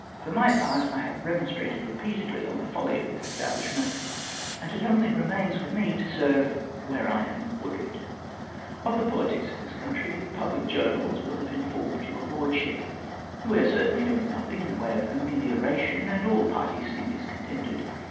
For my part, I have remonstrated repeatedly on the folly of this establishment, and it only remains with me to serve where I am ordered. 224 USELESSNESS OF OUR EFFORTS " Of the politics of tins country tlie public journals will have informed your Lordsliip. We are certainly doing nothing in the way of amelioration, and all parties seem discontented.